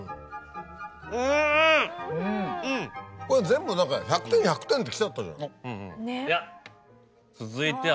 全部１００点１００点ってきちゃったじゃん。